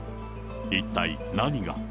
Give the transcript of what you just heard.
一体何が。